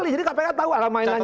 jadi kpk tahu ada mainannya